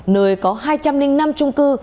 nơi có hai trăm linh năm trung cư